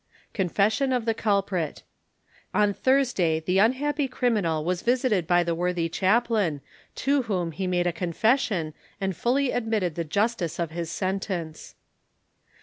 CONFESSION OF THE CULPRIT. On Thursday the unhappy criminal was visited by the worthy chaplain, to whom he made a confession, and fully admitted the justice of his sentence.